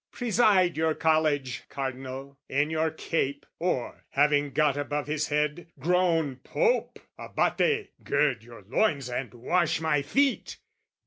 Preside your college, Cardinal, in your cape, Or, having got above his head, grown Pope, Abate, gird your loins and wash my feet!